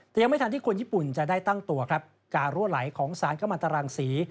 แต่ยังไม่ทันที่คนญี่ปุ่นจะได้ตั้งตัวครับการรั่วไหลของสารขมันตรังศรี